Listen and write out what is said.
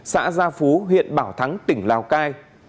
xã gia phú huyện bảo thắng tỉnh lào cai